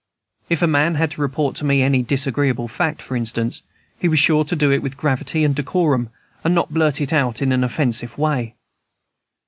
If a man had to report to me any disagreeable fact, for instance, he was sure to do it with gravity and decorum, and not blurt it out in an offensive way.